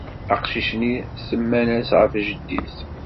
Aqcic-nni semman-as ɣef jeddi-s.